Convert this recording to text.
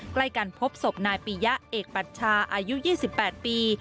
ใกล้กันพบศพนายปียะเอกปัชชาอายุ๒๘ปี